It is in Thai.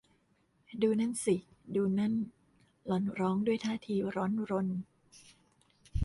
ดูนั่นสิ ดูนั่น หล่อนร้องด้วยท่าทีร้อนรน